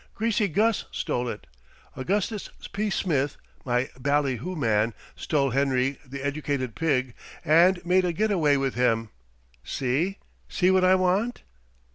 Greasy Gus stole it. Augustus P. Smith, my bally hoo man, stole Henry, the Educated Pig, and made a get away with him. See? See what I want?"